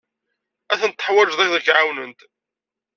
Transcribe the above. Ad tent-teḥwijed ad k-ɛawnent.